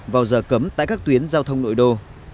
vào giờ cấm tại các tuyến giao thông nội đô